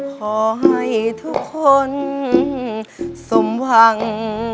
ขอให้ทุกคนสมหวัง